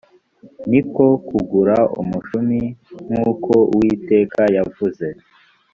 ni ko kugura umushumi nk uko uwiteka yavuze